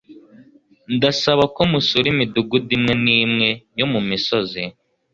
Ndasaba ko musura imidugudu imwe nimwe yo mumisozi